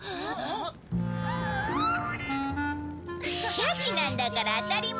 シャチなんだから当たり前だろ。